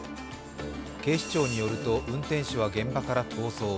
警視庁によると運転手は現場から逃走。